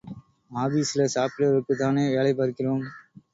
ஆபீஸ்ல, சாப்பிடுறதுக்காகத்தானே வேலை பார்க்கிறோம்.